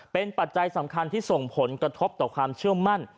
เป็นปัจจัยสำคัญที่ส่งผลกระทบต่อความเชื่อมั่น